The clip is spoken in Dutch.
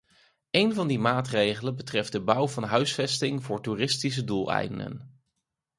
Een van die maatregelen betreft de bouw van huisvesting voor toeristische doeleinden.